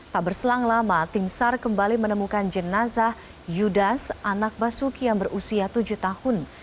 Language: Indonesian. tak berselang lama tim sar kembali menemukan jenazah yudas anak basuki yang berusia tujuh tahun